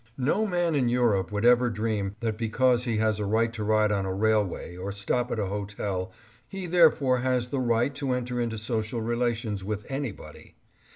No man in Europe would ever dream that because he has a right to ride on a railway, or stop at a hotel, he therefore has the right to enter into social relations with anybody.